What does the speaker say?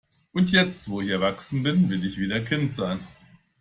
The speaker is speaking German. Und jetzt, wo ich erwachsen bin, will ich wieder Kind sein.